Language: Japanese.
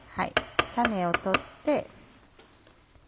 種を取って。